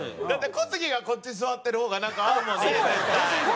だって小杉がこっち座ってる方がなんか合うもんね絶対。